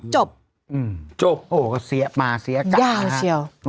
จบยาวเชี่ยวโอ้เสียมาเสียจ้าค่ะ